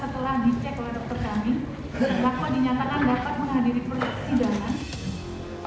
terdakwa dinyatakan dapat menghadiri perlaksanaan sidang